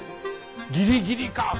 ギリギリか！